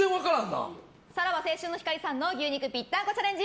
さらば青春の光さんの牛肉ぴったんこチャレンジ